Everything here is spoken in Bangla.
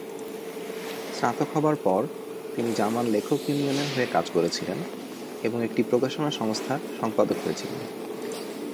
স্নাতক হবার পর, তিনি জার্মান লেখক ইউনিয়নের হয়ে কাজ করেছিলেন এবং একটি প্রকাশনা সংস্থার সম্পাদক হয়েছিলেন।